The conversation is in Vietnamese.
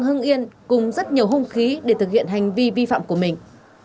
hưng yên cùng rất nhiều hung khí để thực hiện hành vi vi phạm của mình